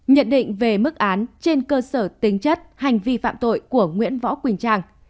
nhận định về mức án trên cơ sở tính chất hành vi phạm tội của nguyễn võ quỳnh trang